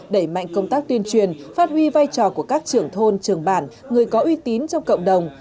đẩy mạnh công tác tuyên truyền phát huy vai trò của các trưởng thôn trường bản người có uy tín trong cộng đồng